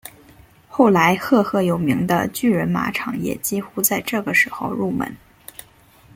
后来赫赫有名的巨人马场也几乎在这个时候入门。